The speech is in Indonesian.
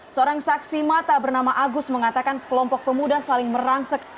seorang saksi mata bernama agus mengatakan sekelompok pemuda saling merangsek